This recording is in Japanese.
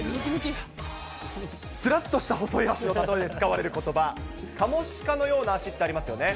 すらっとした細い足のたとえに使われることば、カモシカのような足ってありますよね。